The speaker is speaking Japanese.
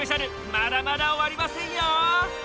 まだまだ終わりませんよ！